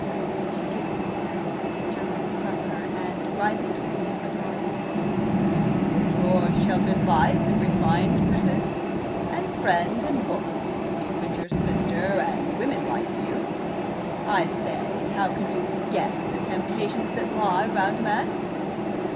" She kissed his hand. He jerked it from her, and, rising to his feet, went on: "You, with your sheltered life, and refined pursuits, and friends, and books, you and your sister, and women like you I say, how can you guess the temptations that lie round a man?"